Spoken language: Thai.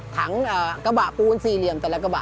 ถังกระบะปูนสี่เหลี่ยมแต่ละกระบะ